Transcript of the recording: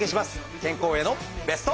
健康へのベスト。